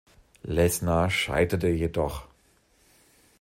Lesnar scheiterte jedoch.